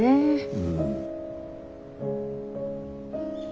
うん。